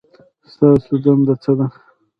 ستاسو دنده څه ده؟